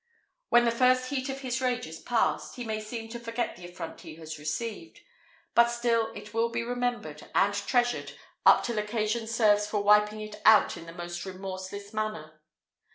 When the first heat of his rage is past, he may seem to forget the affront he has received, but still it will be remembered and treasured up till occasion serves for wiping it out in the most remorseless manner.